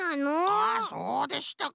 あそうでしたか。